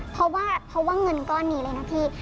เพราะว่าเงินก้อนหนีเลยนะพี่